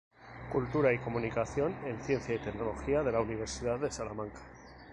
Cultura y Comunicación en Ciencia y Tecnología de la Universidad de Salamanca.